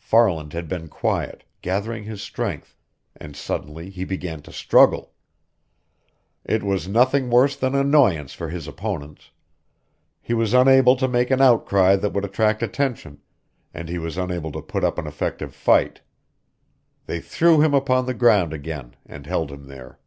Farland had been quiet, gathering his strength, and suddenly he began to struggle. It was nothing worse than annoyance for his opponents. He was unable to make an outcry that would attract attention, and he was unable to put up an effective fight. They threw him upon the ground again and held him there.